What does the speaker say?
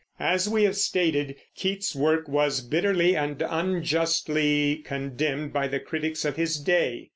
As we have stated, Keats's work was bitterly and unjustly condemned by the critics of his day.